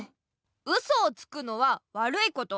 ウソをつくのはわるいこと。